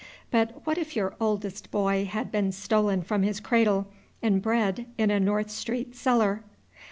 But what if your oldest boy had been stolen from his cradle and bred in a North Street cellar?